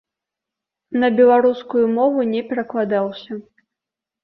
На беларускую мову не перакладаўся.